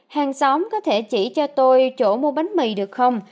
hàng xóm có thể chỉ cho tôi chỗ mua bánh mì được không